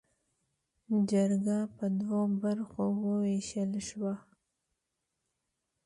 جرګه پر دوو برخو ووېشل شوه.